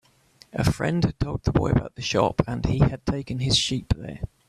A friend had told the boy about the shop, and he had taken his sheep there.